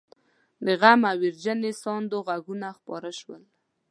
د غم او ويرجنې ساندو غږونه خپاره شول.